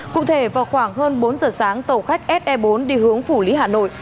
cụ thể vào khoảng hơn bốn giờ sáng tàu khách se bốn đi hướng phủ lý hà nội